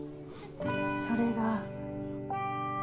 それが。